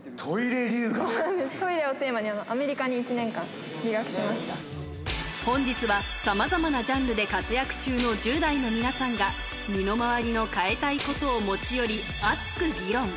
トイレをテーマに、本日は、さまざまなジャンルで活躍中の１０代の皆さんが、身の回りの変えたいことを持ち寄り熱く議論。